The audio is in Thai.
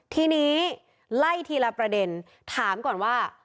ทีนี้ไล่ทีละประเด็นถามก่อนว่า